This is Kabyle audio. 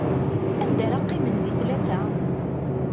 Anda ara qqimen di tlata?